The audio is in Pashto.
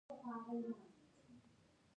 د تورې دانې غوړي د درد لپاره وکاروئ